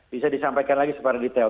bisa disampaikan lagi secara detail